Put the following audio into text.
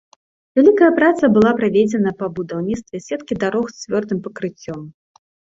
Вялікая праца была праведзена па будаўніцтве сеткі дарог з цвёрдым пакрыццём.